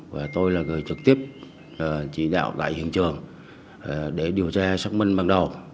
và tôi là người trực tiếp chỉ đạo tại hiện trường để điều tra xác minh ban đầu